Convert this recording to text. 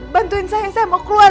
bantuin saya saya mau keluar